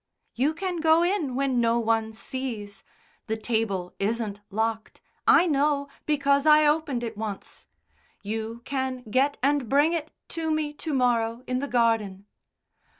"You can go in when no one sees. The table isn't locked, I know, because I opened it once. You can get and bring it to me to morrow in the garden."